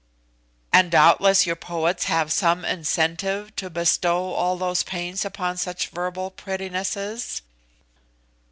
"And doubtless your poets have some incentive to bestow all those pains upon such verbal prettinesses?"